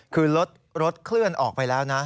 คือรถเคลื่อนออกไปแล้วนะ